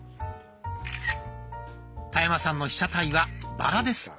田山さんの被写体はバラです。